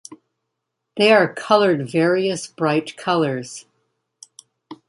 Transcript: They are colored various bright colors.